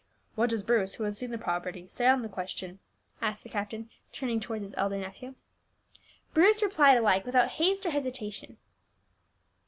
"What does Bruce, who has seen the property, say on the question?" asked the captain, turning towards his elder nephew. Bruce replied alike without haste or hesitation.